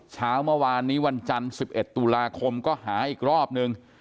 เช้าเมื่อวานนี้วันจันทร์๑๑ตุลาคมก็หาอีกรอบนึง